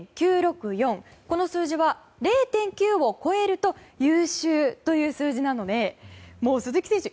この数字は０．９を超えると優秀という数字なのでもう鈴木選手